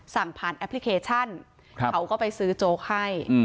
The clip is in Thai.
สั่งผ่านแอปพลิเคชันเขาก็ไปซื้อโจ๊กให้